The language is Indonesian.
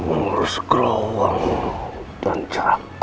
mengurus kerohongan dan cerahku